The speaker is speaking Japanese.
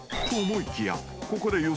［と思いきやここで］